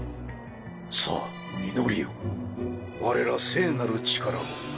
さぁ祈りを我ら聖なる力を。